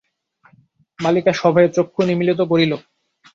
বালিকা সভয়ে চক্ষু নিমীলিত করিল।